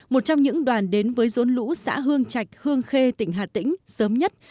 một trong những đoàn đến với rốn lũ xã hương trạch hương khê tỉnh hà tĩnh sớm nhất